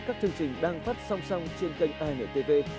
các chương trình đang phát song song trên kênh intv